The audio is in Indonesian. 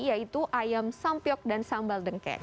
yaitu ayam sampiok dan sambal dengkek